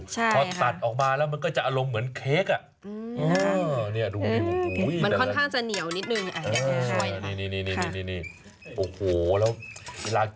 ใช่ค่ะเพราะตัดออกมาแล้วมันก็จะอารมณ์เหมือนเค้กอ่ะ